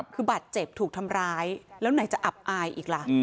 คือบาดเจ็บถูกทำร้ายแล้วไหนจะอับอายอีกล่ะ